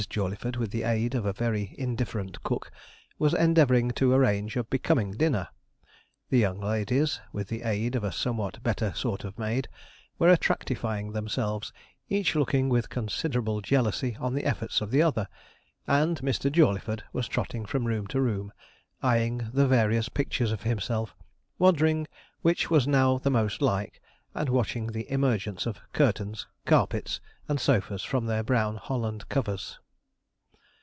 Jawleyford, with the aid of a very indifferent cook, was endeavouring to arrange a becoming dinner; the young ladies, with the aid of a somewhat better sort of maid, were attractifying themselves, each looking with considerable jealousy on the efforts of the other; and Mr. Jawleyford was trotting from room to room, eyeing the various pictures of himself, wondering which was now the most like, and watching the emergence of curtains, carpets, and sofas from their brown holland covers.